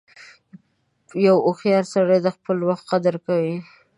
• یو هوښیار سړی د خپل وخت قدر کوي.